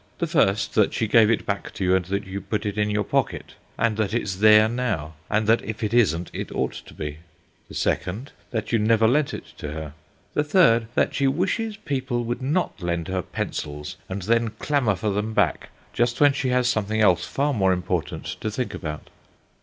The first, that she gave it back to you and that you put it in your pocket, and that it's there now, and that if it isn't it ought to be. The second, that you never lent it to her. The third, that she wishes people would not lend her pencils and then clamour for them back, just when she has something else far more important to think about.